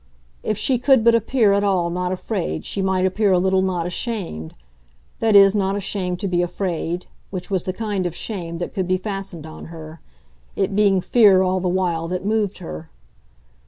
If she could but appear at all not afraid she might appear a little not ashamed that is not ashamed to be afraid, which was the kind of shame that could be fastened on her, it being fear all the while that moved her.